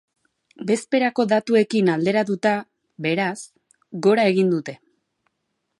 Bezperako datuekin alderatuta, beraz, gora egin dute.